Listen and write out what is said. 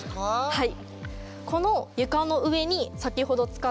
はい。